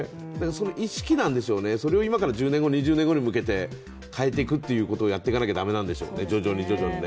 意識なんでしょうね、それを今から１０年後、２０年後に向けて変えていくということをやっていかなきゃだめなんでしょうね、徐々にね。